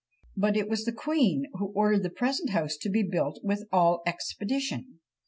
but it was the queen who ordered the present house to be built with all expedition."